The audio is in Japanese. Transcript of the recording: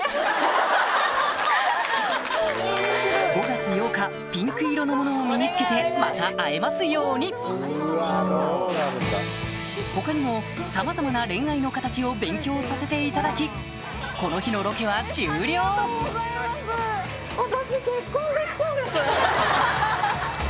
５月８日ピンク色のものを身に着けてまた会えますように他にもさまざまな恋愛の形を勉強させていただきこの日のロケは終了ハハハ。